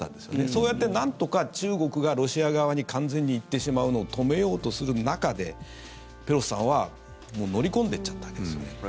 そうやって、なんとか中国がロシア側に完全に行ってしまうのを止めようとする中でペロシさんは乗り込んでいっちゃったわけですよね。